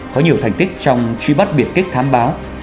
có nhiều thành tích trong truy bắt biệt kích thám báo